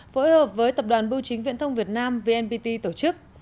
phối hợp với tập đoàn bưu chính viễn thông việt nam vnpt tổ chức